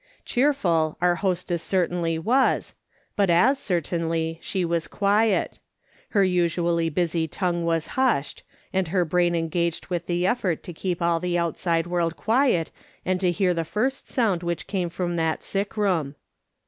Cheerful, our hostess certainly was, but as certainly she was quiet ; her usually busy tongue was hushed, and her brain engaged with the effort to keep all the outside M'orld quiet, and to hear the first sound which came from that sick room.